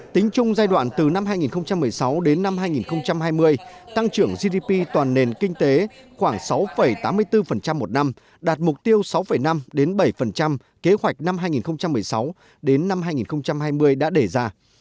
tính chung giai đoạn từ năm hai nghìn một mươi sáu đến năm hai nghìn hai mươi tăng trưởng gdp toàn nền kinh tế khoảng sáu tám mươi bốn một năm đạt mục tiêu sáu năm bảy kế hoạch năm hai nghìn một mươi sáu đến năm hai nghìn hai mươi đã đề ra